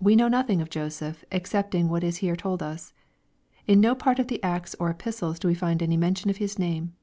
We know nothing of Joseph excepting what is here told us. In no part of the Acts or Epistles do we find any mention of his name.